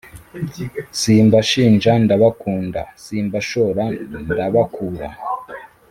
Simbashinja ndabakunda simbashora ndabakura